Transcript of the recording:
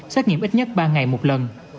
xét nghiệm ít nhất ba ngày một lần